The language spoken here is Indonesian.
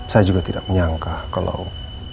saya juga tidak menyangka kalau